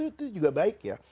itu juga baik ya